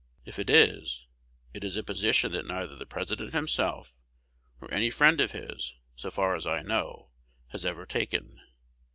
If it is, it is a position that neither the President himself, nor any friend of his, so far as I know, has ever taken.